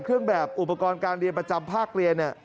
เครื่องแบบอุปกรณ์การเรียนประจำภาคเรียนเนี่ย